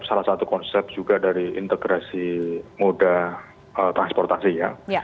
salah satu konsep juga dari integrasi moda transportasi ya